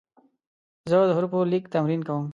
زه د حروفو لیک تمرین کوم.